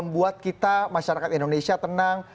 buat kita masyarakat indonesia tenang